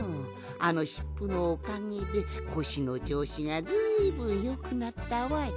あのしっぷのおかげでこしのちょうしがずいぶんよくなったわい。